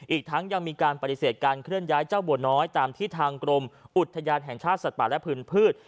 อีกทั้งยังมีการปฏิเสธการเคลื่อนย้ายเจ้าบัวน้อยตามที่ทางกรมอุทยานแห่งชาติสัตว์ป่าและพื้นพืช